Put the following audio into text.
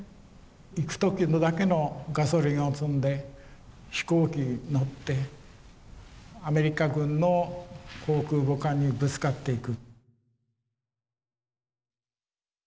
行く時だけのガソリンを積んで飛行機に乗ってアメリカ軍の航空母艦にぶつかっていく。